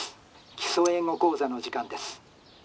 『基礎英語講座』の時間です」。